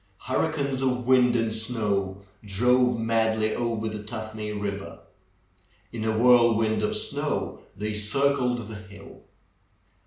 Hurricanes of wind and snow drove madly over the Tuthmay Eiver. In a whirlwind of snow they circled the hill.